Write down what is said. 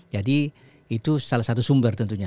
jadi itu salah satu sumber tentunya